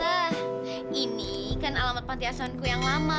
tante ini kan alamat pantiasanku yang lama